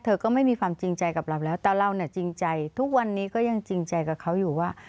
ก็ไม่มีความจริงใจกับเราแล้วแต่เราเนี่ยจริงใจทุกวันนี้ก็ยังจริงใจกับเขาอยู่ว่า